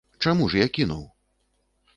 Чаму ж я кінуў?